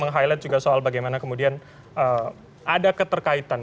meng highlight juga soal bagaimana kemudian ada keterkaitan